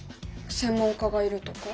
専門家がいるとか？